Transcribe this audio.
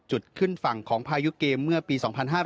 จุดขึ้นฝั่งของพายุเกมเมื่อปี๒๕๕๘